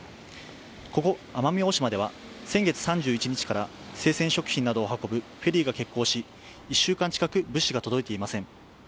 ここ奄美大島では先月３１日から生鮮食品などを運ぶフェリーが欠航し、１週間近く物質が届いていません。